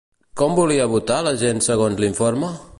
Com volia votar la gent segons l'informe?